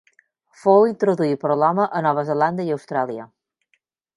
Fou introduït per l'home a Nova Zelanda i Austràlia.